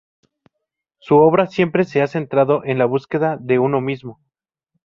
Su obra siempre se ha centrado en la búsqueda de uno mismo.